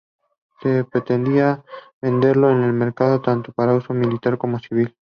Se pretendía venderlo en el mercado tanto para uso militar como civil.